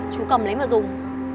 chú cầm lấy mà dùng